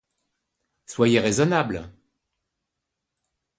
Soyez raisonnable.